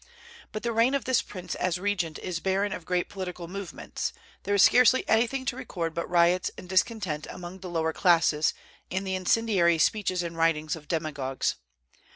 But the reign of this prince as regent is barren of great political movements. There is scarcely anything to record but riots and discontent among the lower classes, and the incendiary speeches and writings of demagogues.